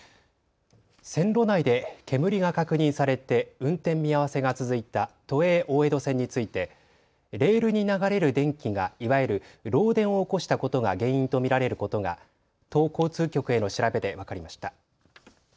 線路内で煙が確認されて運転見合わせが続いた都営大江戸線についてレールに流れる電気がいわゆる漏電を起こしたことが原因と見られることが都交通局への調べで分かりました。